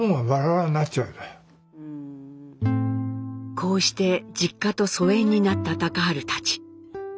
こうして実家と疎遠になった隆治たち。